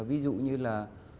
ví dụ như là